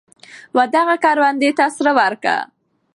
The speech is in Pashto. ودغه کروندې ته سره ورکه.